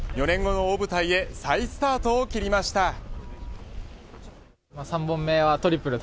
４年後の大舞台へ再スタートを切りました。